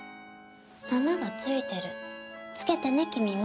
「さま」が付いてる付けてね君も。